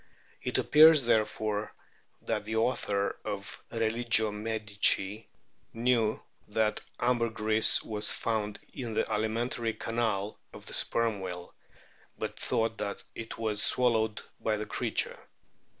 " It appears, therefore, that the author of Relioio Medici knew that ambero ris was found in o o the alimentary canal of the Sperm whale, but thought that it was swallowed by the creature.